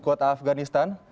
ibu kota afghanistan